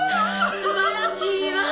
素晴らしいわ！